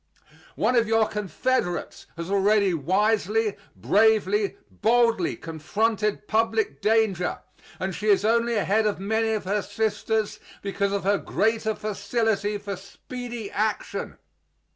One of your confederates has already wisely, bravely, boldly confronted public danger, and she is only ahead of many of her sisters because of her greater facility for speedy action.